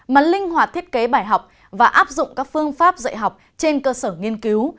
mà linh hoạt thiết kế bài học và áp dụng các phương pháp dạy học trên cơ sở nghiên cứu